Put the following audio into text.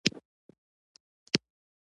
• ژړا د زړه د بوج کمولو وسیله ده.